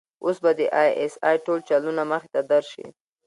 اوس به د آى اس آى ټول چلونه مخې ته درشي.